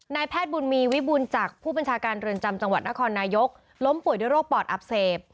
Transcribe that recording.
แพทย์บุญมีวิบุญจักรผู้บัญชาการเรือนจำจังหวัดนครนายกล้มป่วยด้วยโรคปอดอักเสบ